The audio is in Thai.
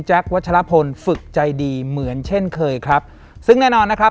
วัชลพลฝึกใจดีเหมือนเช่นเคยครับซึ่งแน่นอนนะครับ